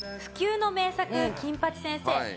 不朽の名作『金八先生』。